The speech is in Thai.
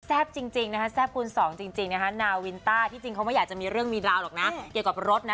จริงนะคะแซ่บคูณสองจริงนะคะนาวินต้าที่จริงเขาไม่อยากจะมีเรื่องมีราวหรอกนะเกี่ยวกับรถนะ